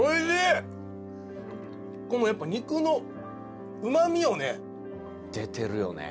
このやっぱ肉のうまみをね出てるよね